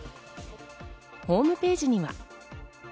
ホームページには。